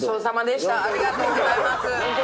ありがとうございます。